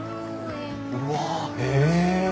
うわ！へえ！